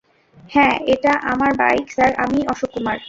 হ্যাঁ, এটা আমার বাইক, স্যার, আমিই অশোক কুমার।